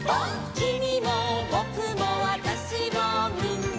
「きみもぼくもわたしもみんな」